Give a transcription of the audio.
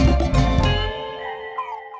รายการต่อไปนี้เป็นรายการทั่วไปสามารถรับชมได้ทุกวัย